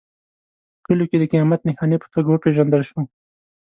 په کلیو کې د قیامت نښانې په توګه وپېژندل شو.